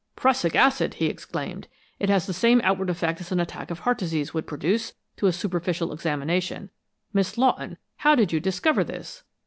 "Prussic acid!" he exclaimed. "It has the same outward effect as an attack of heart disease would produce, to a superficial examination. Miss Lawton, how did you discover this?"